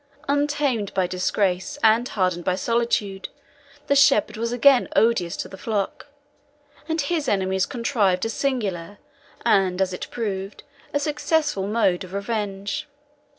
Untamed by disgrace, and hardened by solitude, the shepherd was again odious to the flock, and his enemies contrived a singular, and as it proved, a successful, mode of revenge.